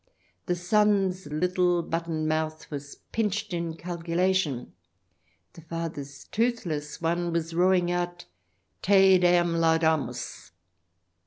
The son's little button mouth was pinched in calculation, the father's toothless one was roaring out :" Te Deum laudamus."